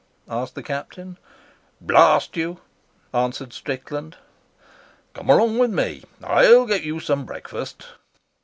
asked the Captain. "Blast you," answered Strickland. "Come along with me. I'll get you some breakfast."